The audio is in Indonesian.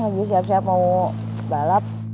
lagi siap siap mau balap